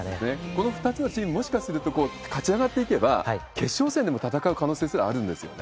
この２つのチーム、もしかすると勝ち上がっていけば、決勝戦でも戦う可能性すらあるんですよね。